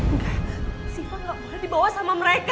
enggak siva gak boleh dibawa sama mereka